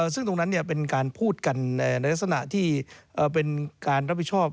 ซึ่งตรงนั้นเป็นการพูดกันในลักษณะที่เป็นการรับผิดชอบ